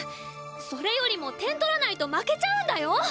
それよりも点取らないと負けちゃうんだよ